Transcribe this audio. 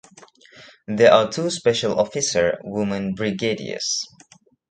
There are two special officer women brigadiers.